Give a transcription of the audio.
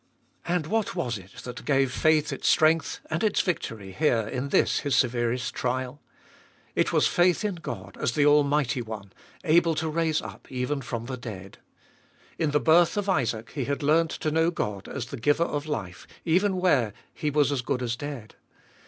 And what was it that gave faith its strength and its victory here in this his severest trial? It was faith in God as the almighty One, able to raise up even from the dead. In the birth of Isaac he had learnt to know God as the giver of life, even where he was as good as dead.